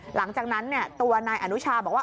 หลังจากนั้นเนี่ยตัวหน้าอนุชาบอกว่า